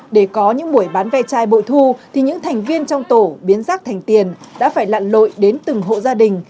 để có những buổi bán ve chai bội thu thì những thành viên trong tổ biến rác thành tiền đã phải lặn lội đến từng hộ gia đình